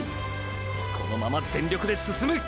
このまま全力で進む！！